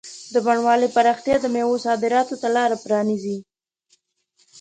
د بڼوالۍ پراختیا د مېوو صادراتو ته لاره پرانیزي.